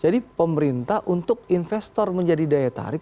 jadi pemerintah untuk investor menjadi daya tarik